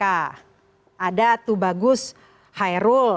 ada tubagus hairul